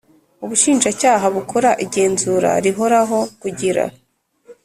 Ubushinjacyaha bukora igenzura rihoraho kugira